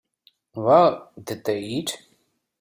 Well, did they eat.